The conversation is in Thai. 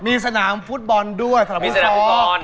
มีสนามฟุตบอลด้วยสนามฟุตบอล